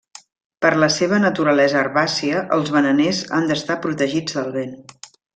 Per la seva naturalesa herbàcia, els bananers han d'estar protegits del vent.